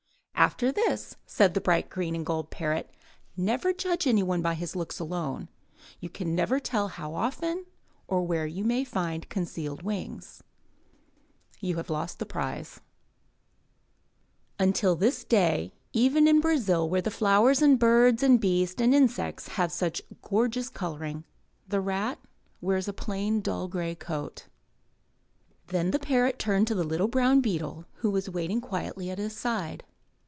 "After this," said the bright green and gold parrot, "never judge any one by his looks alone. You never can tell how often or where you may find concealed wings. You have lost the prize." 130 UP ONE PAIR OF STAIRS Until this day, even in Brazil where the flowers and birds, and beasts, and insects have such gorgeous colour ing, the rat wears a plain, dull grey coat. Then the parrot turned to the little brown beetle who was waiting quietly at his side.